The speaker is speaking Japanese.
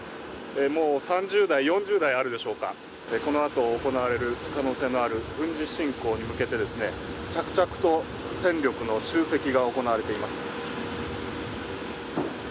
もう３０台、４０台あるでしょうか、このあと行われる可能性のある軍事侵攻に向けて着々と戦力の集積が行われています。